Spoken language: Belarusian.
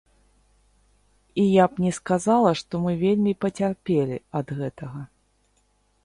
І я б не сказала, што мы вельмі пацярпелі ад гэтага.